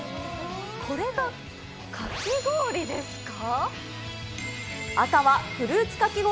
これがかき氷ですか？